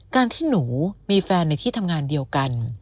การที่หนูมีแฟนในที่ทำงานเดียวกัน